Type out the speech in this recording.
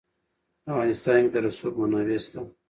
په افغانستان کې د رسوب منابع شته.